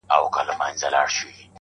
ښاخ پر ښاخ باندي پټېږي کور یې ورک دی!.